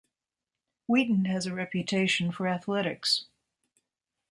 Wheaton has a reputation for athletics.